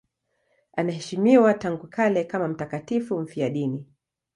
Anaheshimiwa tangu kale kama mtakatifu mfiadini.